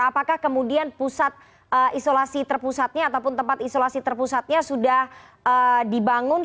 apakah kemudian pusat isolasi terpusatnya ataupun tempat isolasi terpusatnya sudah dibangun